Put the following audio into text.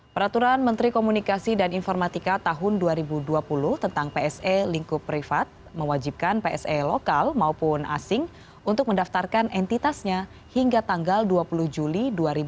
peraturan menteri komunikasi dan informatika tahun dua ribu dua puluh tentang pse lingkup privat mewajibkan pse lokal maupun asing untuk mendaftarkan entitasnya hingga tanggal dua puluh juli dua ribu dua puluh